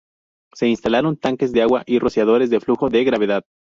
Se instalaron tanques de agua y rociadores de flujo de gravedad.